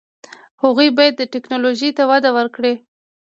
هغوی باید ټیکنالوژي ته وده ورکړي.